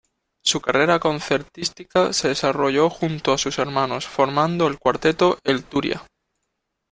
Su carrera concertística se desarrolló junto a sus hermanos, formando el cuarteto "El Turia".